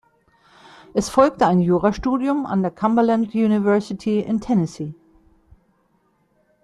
Es folgte ein Jurastudium an der Cumberland University in Tennessee.